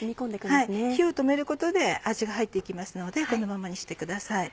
火を止めることで味が入って行きますのでこのままにしてください。